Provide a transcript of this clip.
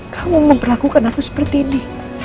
kamu memperlakukan aku seperti ini